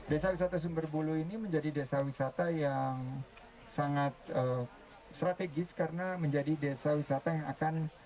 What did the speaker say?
desa wisata sumber bulu ini menjadi desa wisata yang sangat strategis karena menjadi desa wisata yang akan